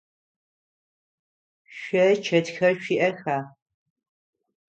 Шъо чэтхэр шъуиӏэха?